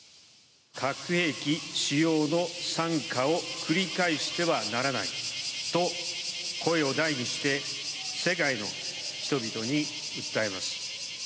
核兵器使用の惨禍を繰り返してはならないと、声を大にして、世界の人々に訴えます。